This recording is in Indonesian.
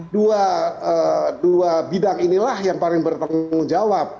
dua bidang inilah yang paling bertanggung jawab